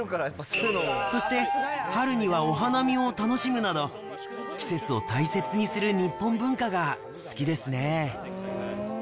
そして春にはお花見を楽しむなど、季節を大切にする日本文化が好きですね。